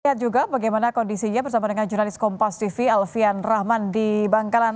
lihat juga bagaimana kondisinya bersama dengan jurnalis kompas tv alfian rahman di bangkalan